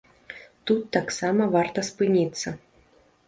Тут таксама варта спыніцца.